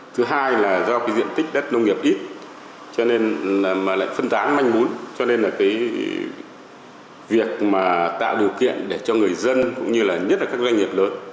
thứ hai là do diện tích đất nông nghiệp bình quân trên đầu người rất là thấp